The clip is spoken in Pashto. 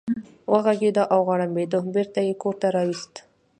غوږېده او غړمبېده، بېرته یې کور ته راوست.